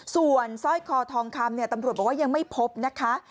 ส่วนสร้อยคอทองคำตำรวจบอกว่ายังไม่พบนะคะ